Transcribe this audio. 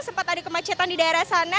sempat ada kemacetan di daerah sana